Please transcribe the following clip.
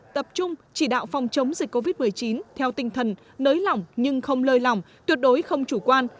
tập trung chỉ đạo phòng chống dịch covid một mươi chín theo tinh thần nới lỏng nhưng không lơi lỏng tuyệt đối không chủ quan